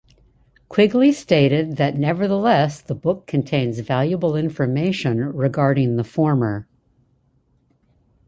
Quigley stated that nevertheless the book contains valuable information regarding the former.